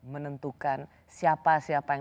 menentukan siapa siapa yang